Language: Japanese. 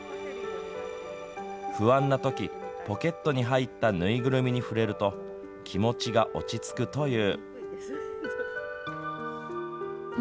不安なときポケットに入った縫いぐるみに触れると気持ちが落ち着くという。